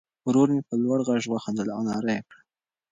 ورور مې په لوړ غږ وخندل او ناره یې کړه.